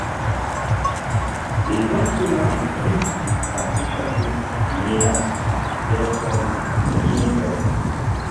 Les orphelins réussisent à s'échapper mais hélas perdent de vue Quigley.